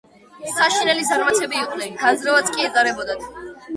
საშინელი ზარმაცები იყვნენ. განძრევაც კი ეზარებოდათ.